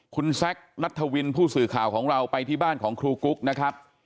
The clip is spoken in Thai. คุณแซคนัทวินผู้สื่อข่าวของเราไปที่บ้านของครูกุ๊กนะครับ